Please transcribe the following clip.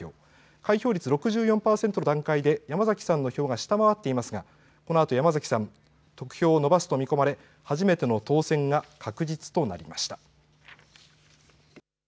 開票率６４％の段階で山崎さんの票が下回っていますがこのあと山崎さん、得票を伸ばすと見込まれ初めての当選が確実となりました。